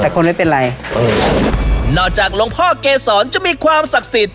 แต่คนไม่เป็นไรเออนอกจากหลวงพ่อเกษรจะมีความศักดิ์สิทธิ